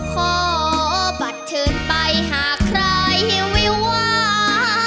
ขอบัตรเชิญไปหาใครไม่วาง